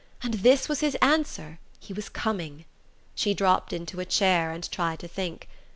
And this was his answer: he was coming. She dropped into a chair, and tried to think.